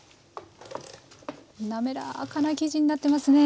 滑らかな生地になってますね。